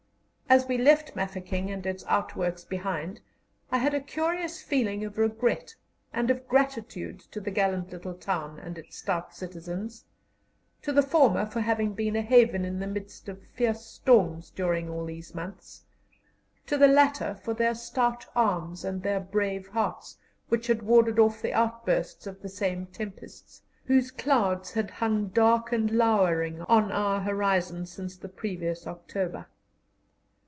As we left Mafeking and its outworks behind, I had a curious feeling of regret and of gratitude to the gallant little town and its stout citizens: to the former for having been a haven in the midst of fierce storms during all these months; to the latter for their stout arms and their brave hearts, which had warded off the outbursts of the same tempests, whose clouds had hung dark and lowering on our horizon since the previous October.